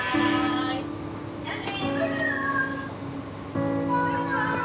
「じゃあね！」。